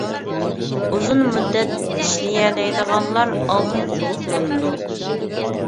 ئۇزۇن مۇددەت ئىشلىيەلەيدىغانلار ئالدىن قوبۇل قىلىنىدۇ.